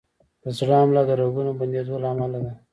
د زړه حمله د رګونو بندېدو له امله ده.